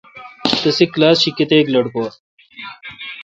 تسے°کلاس شی کتیک لٹکور۔